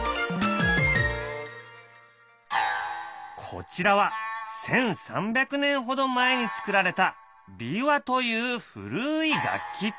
こちらは１，３００年ほど前に作られた琵琶という古い楽器。